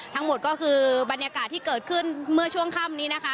ทั้งหมดก็คือบรรยากาศที่เกิดขึ้นเมื่อช่วงค่ำนี้นะคะ